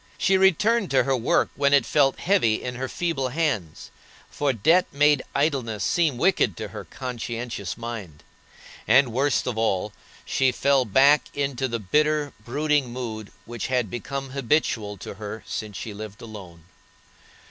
She returned to her work when it felt heavy in her feeble hands, for debt made idleness seem wicked to her conscientious mind. And, worst of all, she fell back into the bitter, brooding mood which had become habitual to her since she lived alone.